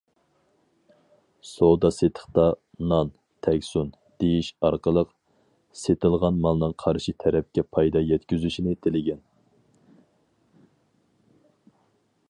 سودا- سېتىقتا« نان تەگسۇن» دېيىش ئارقىلىق، سېتىلغان مالنىڭ قارشى تەرەپكە پايدا يەتكۈزۈشىنى تىلىگەن.